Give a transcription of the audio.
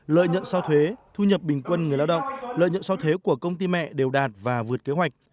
lợi nhận so thuế thu nhập bình quân người lao động lợi nhận so thuế của công ty mẹ đều đạt và vượt kế hoạch